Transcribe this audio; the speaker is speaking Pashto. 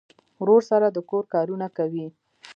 ورور سره د کور کارونه کوي.